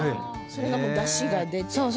それがだしが出て。